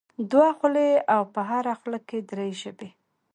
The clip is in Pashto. دوه خولې او په هره خوله کې درې ژبې.